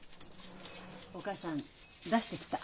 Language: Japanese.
お母さん出してきた。